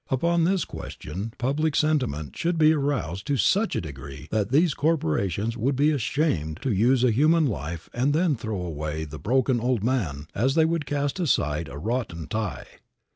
Upon this question, public sentiment should be aroused to such a degree that these corporations would be ashamed to use a human life and then throw away the broken old man as they would cast aside a rotten tie.